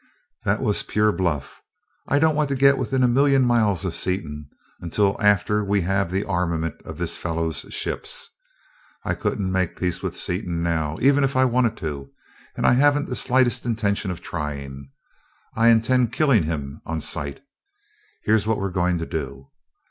"That was pure bluff. I don't want to get within a million miles of Seaton until after we have the armament of this fellow's ships. I couldn't make peace with Seaton now, even if I wanted to and I haven't the slightest intention of trying. I intend killing him on sight. Here's what we're going to do.